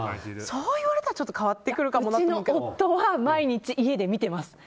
そう言われたらちょっと変わってくるかもなってうちの夫は、毎日家で見ています。